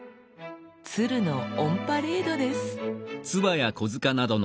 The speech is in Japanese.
鶴のオンパレードです。